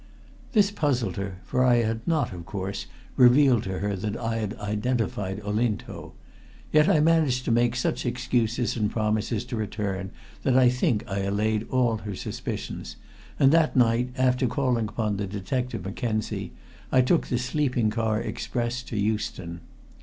This puzzled her, for I had not, of course, revealed to her that I had identified Olinto. Yet I managed to make such excuses and promises to return that I think allayed all her suspicions, and that night, after calling upon the detective Mackenzie, I took the sleeping car express to Euston.